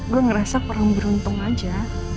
gue ngerasa kurang beruntung aja